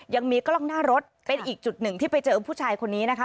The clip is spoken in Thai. ยังมีกล้องหน้ารถเป็นอีกจุดหนึ่งที่ไปเจอผู้ชายคนนี้นะคะ